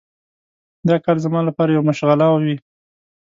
دا کار زما لپاره یوه مشغله وي.